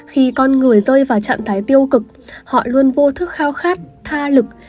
khi con người rơi vào trạng thái tiêu cực họ luôn vô thức khao khát tha lực